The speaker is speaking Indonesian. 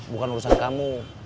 bukan urusan kamu